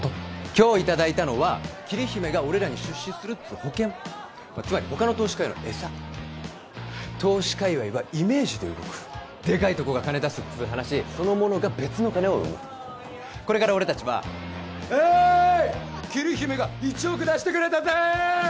今日いただいたのは桐姫が俺らに出資するっつう保険つまり他の投資家への餌投資界わいはイメージで動くでかいとこが金出すっつう話そのものが別の金を生むこれから俺達はウエーイ桐姫が１億出してくれたぜ！